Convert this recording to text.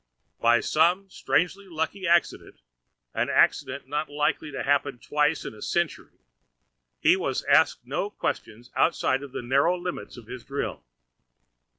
By some strangely lucky accident—an accident not likely to happen twice in a century—he was asked no question outside of the narrow limits of his drill.